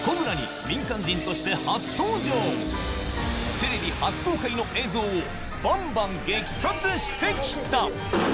テレビ初公開の映像をバンバン激撮して来た！